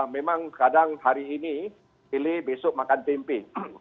memang kadang hari ini pilih besok makan tempe